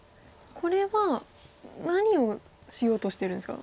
これは何をしようとしてるんですか？